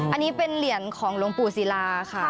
อันนี้เป็นเหรียญของหลวงปู่ศิลาค่ะ